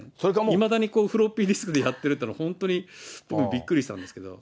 いまだにフロッピーディスクでやってるっていうのは、本当に僕もびっくりしたんですけれども。